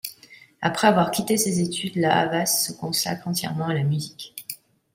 Après avoir quitté ses études, La Havas se consacre entièrement à la musique.